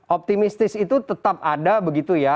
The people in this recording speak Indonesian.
optimistis itu tetap ada begitu ya